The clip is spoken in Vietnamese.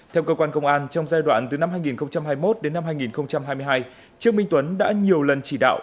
theo cơ quan công an trong giai đoạn từ năm hai nghìn hai mươi một đến năm hai nghìn hai mươi hai trương minh tuấn đã nhiều lần chỉ đạo